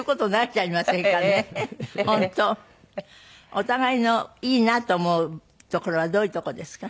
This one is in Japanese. お互いのいいなと思うところはどういうとこですか？